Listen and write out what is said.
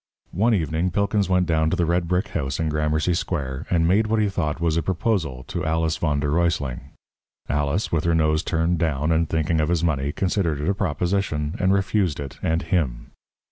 One evening Pilkins went down to the red brick house in Gramercy Square, and made what he thought was a proposal to Alice v. d. R. Alice, with her nose turned down, and thinking of his money, considered it a proposition, and refused it and him.